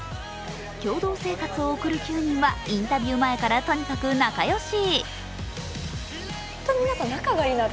共同生活を送る９人はインタビュー前からとにかく仲良し。